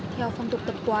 theo phong tục tập quán